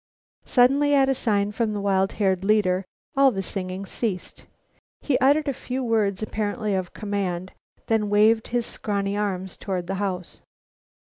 Suddenly, at a sign from the wild haired leader, all the singing ceased. He uttered a few words apparently of command, then waved his scrawny arms toward the house.